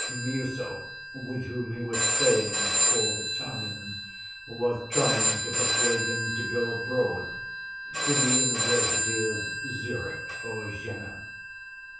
Miüsov, with whom he was staying for the time, was trying to persuade him to go abroad to the university of Zurich or Jena.